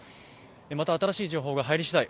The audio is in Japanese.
また、新しい情報が入りしだい